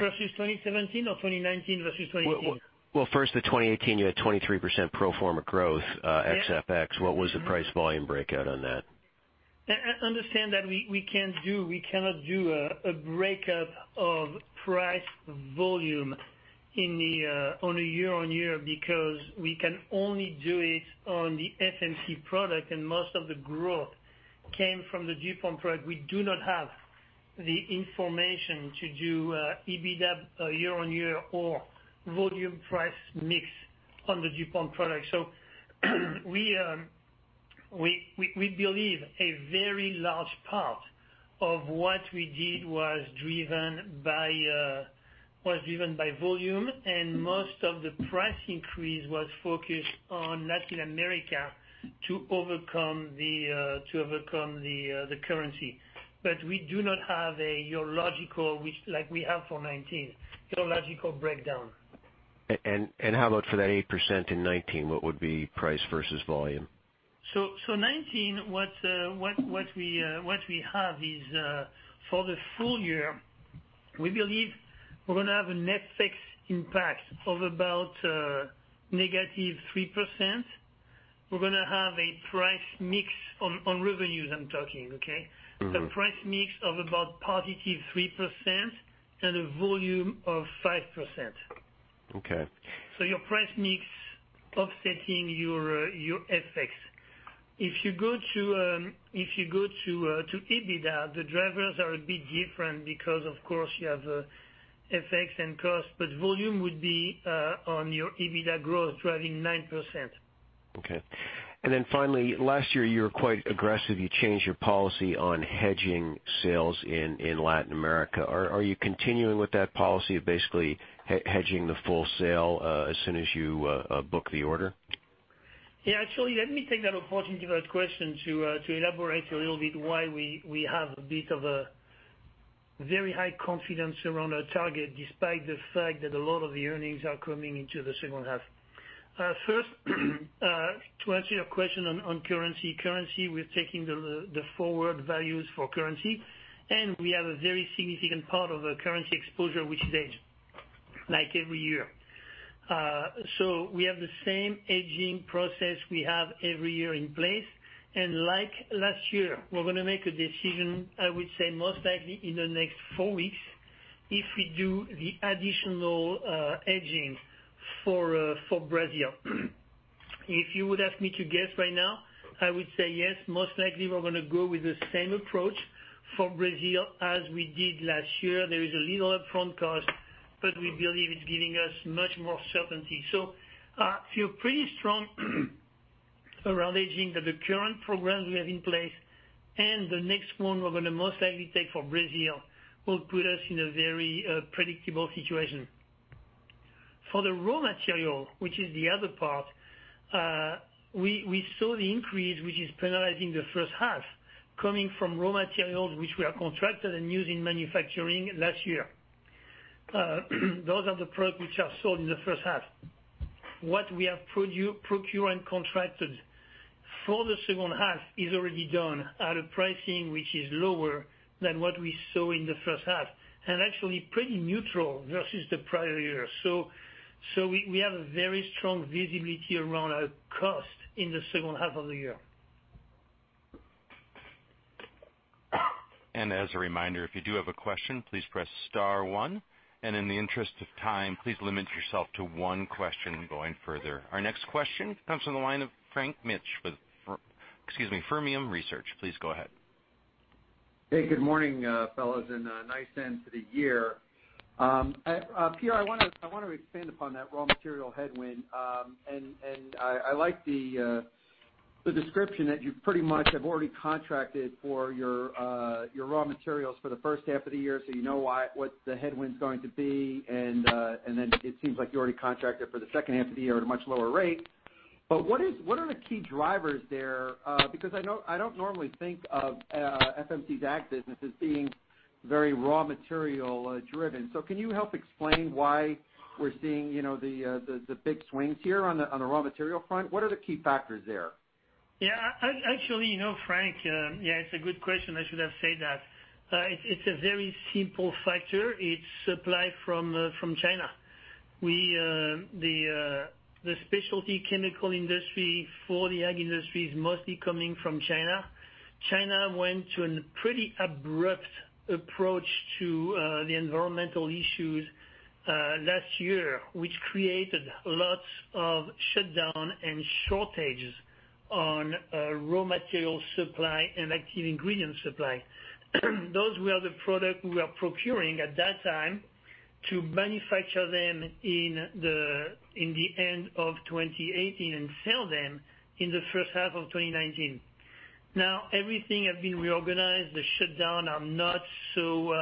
versus 2017 or 2019 versus 2018? Well, first the 2018, you had 23% pro forma growth ex FX. Yeah. What was the price volume breakout on that? Understand that we cannot do a breakup of price volume on a year-on-year, because we can only do it on the FMC product, and most of the growth came from the DuPont product. We do not have the information to do EBITDA year-on-year or volume price mix on the DuPont product. We believe a very large part of what we did was driven by volume, and most of the price increase was focused on Latin America to overcome the currency. We do not have a year logical, like we have for 2019, year logical breakdown. How about for that 8% in 2019, what would be price versus volume? 2019, what we have is, for the full year, we believe we're going to have a net FX impact of about negative 3%. We're going to have a price mix, on revenues I'm talking, okay? The price mix of about positive 3% and a volume of 5%. Okay. Your price mix offsetting your FX. If you go to EBITDA, the drivers are a bit different because of course you have FX and cost, but volume would be on your EBITDA growth driving 9%. Okay. Finally, last year you were quite aggressive. You changed your policy on hedging sales in Latin America. Are you continuing with that policy of basically hedging the full sale as soon as you book the order? Yeah, actually, let me take that opportunity about question to elaborate a little bit why we have a bit of a very high confidence around our target, despite the fact that a lot of the earnings are coming into the second half. First, to answer your question on currency, we're taking the forward values for currency, we have a very significant part of our currency exposure, which is hedged, like every year. We have the same hedging process we have every year in place. Like last year, we're going to make a decision, I would say most likely in the next four weeks, if we do the additional hedging for Brazil. If you would ask me to guess by now, I would say yes, most likely we're going to go with the same approach for Brazil as we did last year. There is a little upfront cost, we believe it's giving us much more certainty. I feel pretty strong around hedging that the current programs we have in place and the next one we're going to most likely take for Brazil will put us in a very predictable situation. For the raw material, which is the other part, we saw the increase, which is penalizing the first half, coming from raw materials, which we are contracted and used in manufacturing last year. Those are the products which are sold in the first half. What we have procured and contracted for the second half is already done at a pricing which is lower than what we saw in the first half, and actually pretty neutral versus the prior year. We have a very strong visibility around our cost in the second half of the year. As a reminder, if you do have a question, please press star one, in the interest of time, please limit yourself to one question going further. Our next question comes from the line of Frank Mitsch with, excuse me, Fermium Research. Please go ahead. Hey, good morning, fellows, and a nice end to the year. Pierre, I want to expand upon that raw material headwind. I like the description that you pretty much have already contracted for your raw materials for the first half of the year, so you know what the headwind's going to be. It seems like you already contracted for the second half of the year at a much lower rate. What are the key drivers there? Because I don't normally think of FMC's ag business as being very raw material driven. Can you help explain why we're seeing the big swings here on the raw material front? What are the key factors there? Actually, Frank, it's a good question. I should have said that. It's a very simple factor. It's supply from China. The specialty chemical industry for the ag industry is mostly coming from China. China went to a pretty abrupt approach to the environmental issues last year, which created lots of shutdown and shortages on raw material supply and active ingredient supply. Those were the product we were procuring at that time to manufacture them in the end of 2018 and sell them in the first half of 2019. Now, everything has been reorganized. The shutdown are not so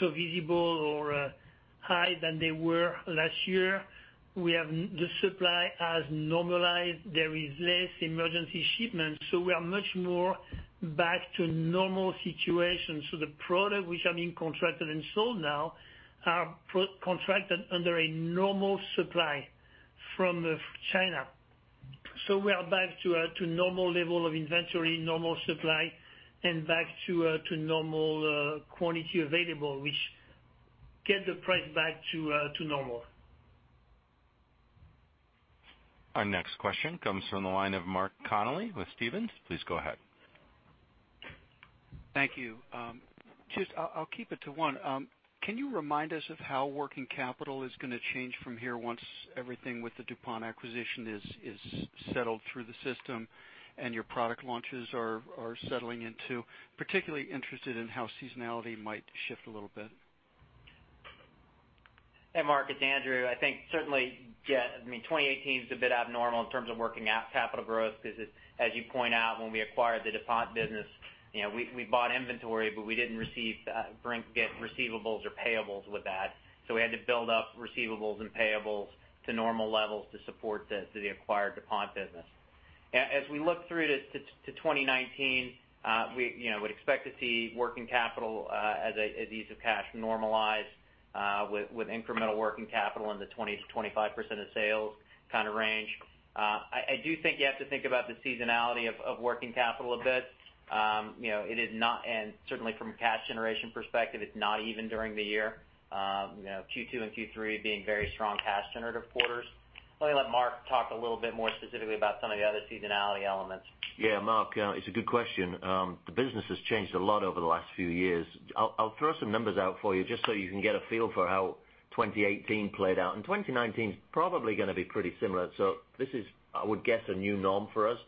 visible or high than they were last year. The supply has normalized. There is less emergency shipments, so we are much more back to normal situation. The product which are being contracted and sold now are contracted under a normal supply from China. We are back to normal level of inventory, normal supply, and back to normal quantity available, which get the price back to normal. Our next question comes from the line of Mark Connelly with Stephens. Please go ahead. Thank you. I'll keep it to one. Can you remind us of how working capital is going to change from here once everything with the DuPont acquisition is settled through the system and your product launches are settling in too? Particularly interested in how seasonality might shift a little bit. Hey, Mark, it's Andrew. I think certainly, yeah, 2018 is a bit abnormal in terms of working capital growth because as you point out, when we acquired the DuPont business, we bought inventory, but we didn't get receivables or payables with that. We had to build up receivables and payables to normal levels to support the acquired DuPont business. As we look through to 2019, we'd expect to see working capital as ease of cash normalize with incremental working capital in the 20%-25% of sales range. I do think you have to think about the seasonality of working capital a bit. Certainly from a cash generation perspective, it's not even during the year. Q2 and Q3 being very strong cash generative quarters. I'm going to let Mark talk a little bit more specifically about some of the other seasonality elements. Yeah, Mark, it's a good question. The business has changed a lot over the last few years. I'll throw some numbers out for you just so you can get a feel for how 2018 played out, and 2019's probably going to be pretty similar. This is, I would guess, a new norm for us.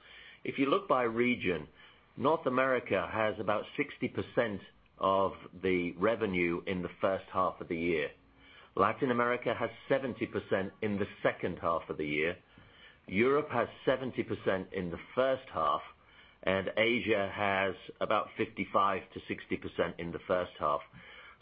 If you look by region, North America has about 60% of the revenue in the first half of the year. Latin America has 70% in the second half of the year. Europe has 70% in the first half, and Asia has about 55%-60% in the first half.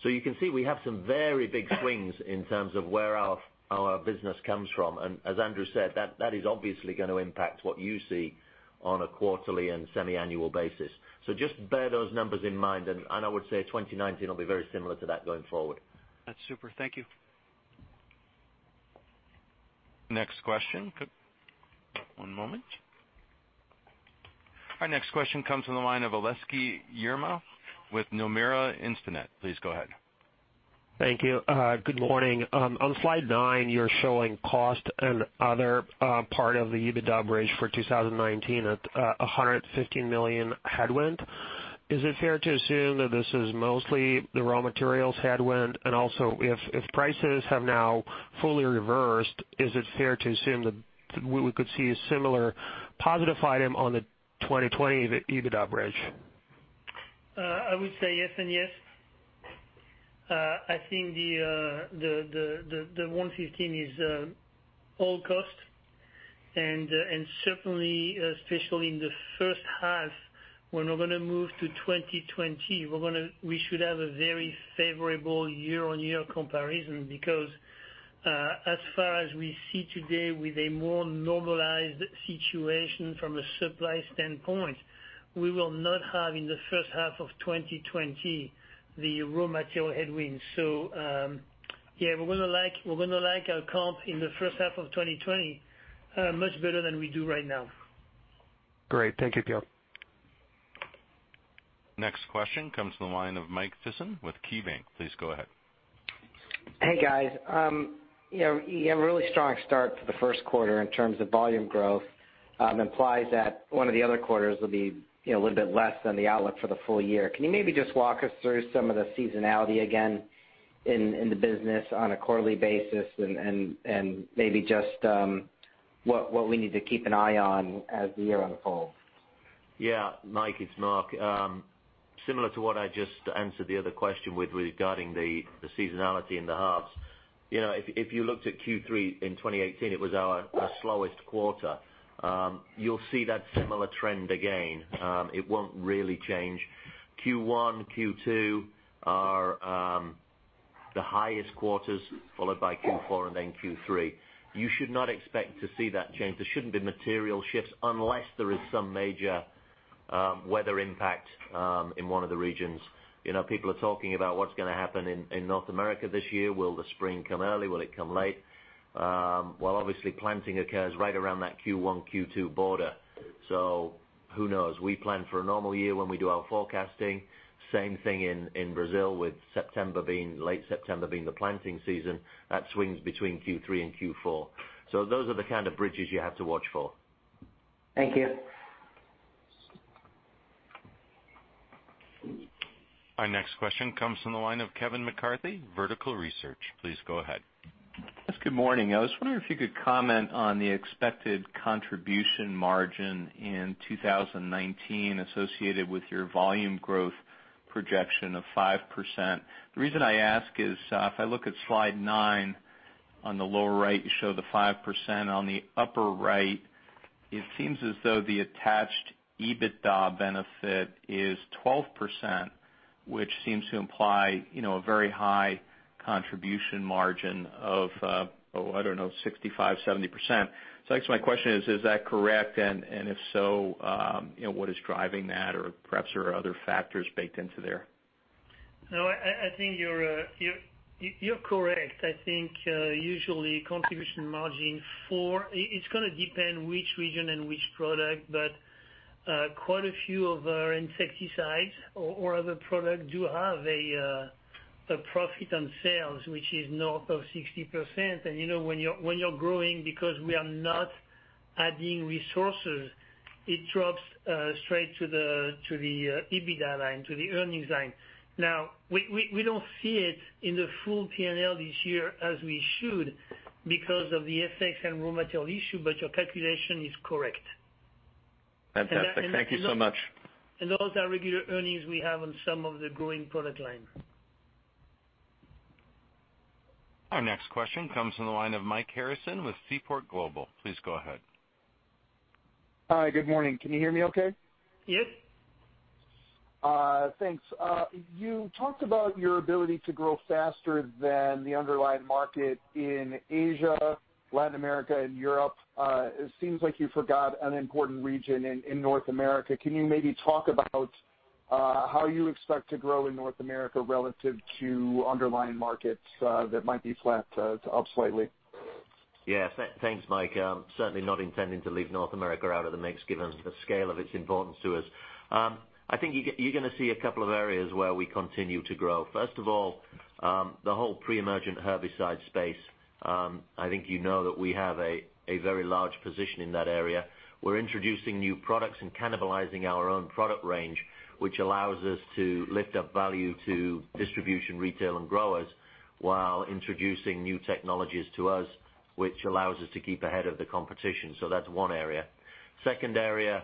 You can see we have some very big swings in terms of where our business comes from. As Andrew said, that is obviously going to impact what you see on a quarterly and semi-annual basis. Just bear those numbers in mind, and I would say 2019 will be very similar to that going forward. That's super. Thank you. Next question. One moment. Our next question comes from the line of Aleksey Yefremov with Nomura Instinet. Please go ahead. Thank you. Good morning. On slide nine, you're showing cost and other part of the EBITDA bridge for 2019 at $115 million headwind. Is it fair to assume that this is mostly the raw materials headwind? Also, if prices have now fully reversed, is it fair to assume that we could see a similar positive item on the 2020 EBITDA bridge? I would say yes and yes. I think the 115 is all cost and certainly, especially in the first half, when we're going to move to 2020, we should have a very favorable year-on-year comparison because, as far as we see today with a more normalized situation from a supply standpoint, we will not have in the first half of 2020 the raw material headwinds. Yeah, we're going to like our comp in the first half of 2020 much better than we do right now. Great. Thank you, Pierre. Next question comes from the line of Michael Sison with KeyBanc. Please go ahead. Hey, guys. You have a really strong start to the first quarter in terms of volume growth. Implies that one of the other quarters will be a little bit less than the outlook for the full year. Can you maybe just walk us through some of the seasonality again in the business on a quarterly basis and maybe just what we need to keep an eye on as the year unfolds? Yeah, Mike, it's Mark. Similar to what I just answered the other question with regarding the seasonality and the halves. If you looked at Q3 in 2018, it was our slowest quarter. You'll see that similar trend again. It won't really change. Q1, Q2 are the highest quarters, followed by Q4 and then Q3. You should not expect to see that change. There shouldn't be material shifts unless there is some major weather impact in one of the regions. People are talking about what's going to happen in North America this year. Will the spring come early? Will it come late? Well, obviously, planting occurs right around that Q1, Q2 border. Who knows? We plan for a normal year when we do our forecasting. Same thing in Brazil, with late September being the planting season. That swings between Q3 and Q4. Those are the kind of bridges you have to watch for. Thank you. Our next question comes from the line of Kevin McCarthy, Vertical Research. Please go ahead. Yes, good morning. I was wondering if you could comment on the expected contribution margin in 2019 associated with your volume growth projection of 5%. The reason I ask is, if I look at slide nine on the lower right, you show the 5%. On the upper right, it seems as though the attached EBITDA benefit is 12%, which seems to imply a very high contribution margin of, oh, I don't know, 65%, 70%. I guess my question is that correct? If so, what is driving that? Perhaps there are other factors baked into there. No, I think you're correct. I think, usually contribution margin, it's going to depend which region and which product, but quite a few of our insecticides or other products do have a profit on sales, which is north of 60%. When you're growing because we are not adding resources, it drops straight to the EBITDA line, to the earnings line. We don't see it in the full P&L this year as we should because of the FX and raw material issue, but your calculation is correct. Fantastic. Thank you so much. Those are regular earnings we have on some of the growing product line. Our next question comes from the line of Mike Harrison with Seaport Global. Please go ahead. Hi. Good morning. Can you hear me okay? Yes. Thanks. You talked about your ability to grow faster than the underlying market in Asia, Latin America and Europe. It seems like you forgot an important region in North America. Can you maybe talk about how you expect to grow in North America relative to underlying markets that might be flat to up slightly? Yeah. Thanks, Mike. Certainly not intending to leave North America out of the mix, given the scale of its importance to us. I think you're going to see a couple of areas where we continue to grow. First of all, the whole pre-emergent herbicide space. I think you know that we have a very large position in that area. We're introducing new products and cannibalizing our own product range, which allows us to lift up value to distribution, retail, and growers while introducing new technologies to us, which allows us to keep ahead of the competition. That's one area. Second area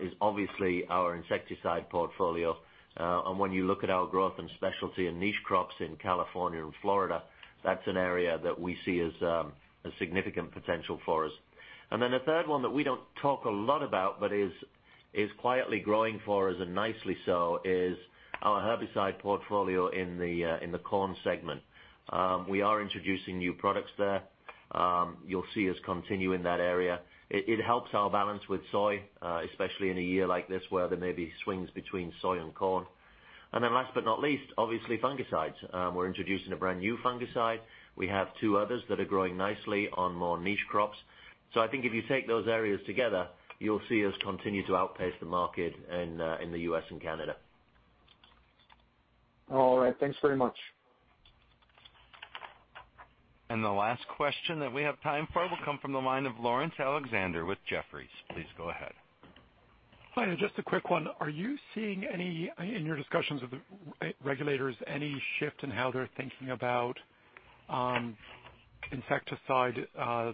is obviously our insecticide portfolio. When you look at our growth and specialty in niche crops in California and Florida, that's an area that we see as a significant potential for us. A third one that we don't talk a lot about but is quietly growing for us, and nicely so, is our herbicide portfolio in the corn segment. We are introducing new products there. You'll see us continue in that area. It helps our balance with soy, especially in a year like this where there may be swings between soy and corn. Last but not least, obviously fungicides. We're introducing a brand-new fungicide. We have two others that are growing nicely on more niche crops. I think if you take those areas together, you'll see us continue to outpace the market in the U.S. and Canada. All right. Thanks very much. The last question that we have time for will come from the line of Laurence Alexander with Jefferies. Please go ahead. Hi. Just a quick one. Are you seeing, in your discussions with the regulators, any shift in how they're thinking about insecticide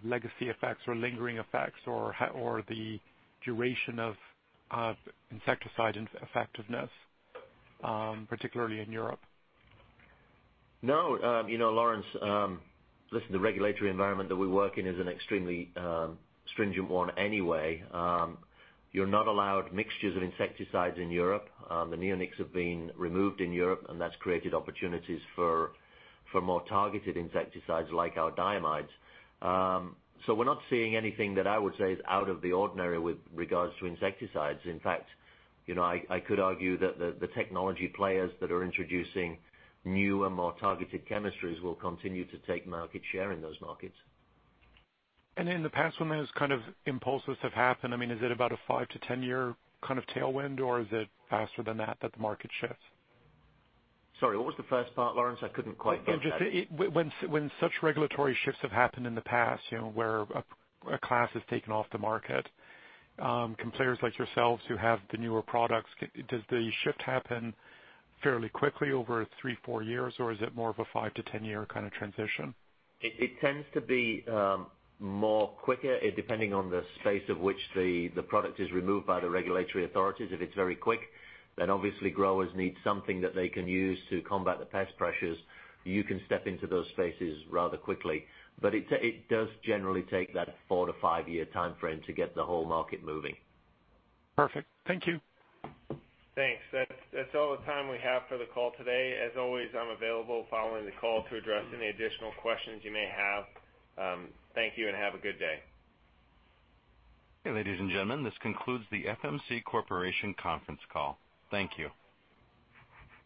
legacy effects or lingering effects, or the duration of insecticide effectiveness, particularly in Europe? No. Laurence, listen, the regulatory environment that we work in is an extremely stringent one anyway. You're not allowed mixtures of insecticides in Europe. The neonics have been removed in Europe, that's created opportunities for more targeted insecticides like our diamides. We're not seeing anything that I would say is out of the ordinary with regards to insecticides. In fact, I could argue that the technology players that are introducing newer, more targeted chemistries will continue to take market share in those markets. In the past, when those kind of impulses have happened, I mean, is it about a 5- to 10-year kind of tailwind, or is it faster than that the market shifts? Sorry, what was the first part, Laurence? I couldn't quite grasp that. Yeah, just when such regulatory shifts have happened in the past, where a class is taken off the market, can players like yourselves who have the newer products, does the shift happen fairly quickly over three, four years, or is it more of a 5- to 10-year kind of transition? It tends to be more quicker, depending on the space of which the product is removed by the regulatory authorities. If it's very quick, then obviously growers need something that they can use to combat the pest pressures. You can step into those spaces rather quickly, but it does generally take that four- to five-year timeframe to get the whole market moving. Perfect. Thank you. Thanks. That's all the time we have for the call today. As always, I'm available following the call to address any additional questions you may have. Thank you and have a good day. Ladies and gentlemen, this concludes the FMC Corporation conference call. Thank you.